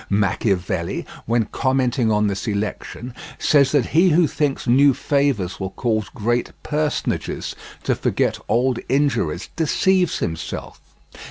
Machiavelli, when commenting on this election, says that he who thinks new favours will cause great personages to forget old injuries deceives himself.